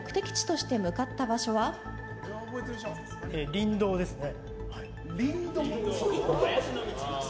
林道ですね。